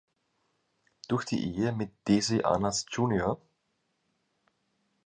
Durch die Ehe mit Desi Arnaz Jr.